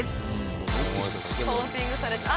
コーティングされた。